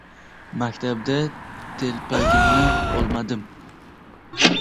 Maktabda-da telpagimni olmadim.